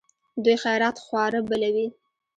دوی خیرات خواره بلوي.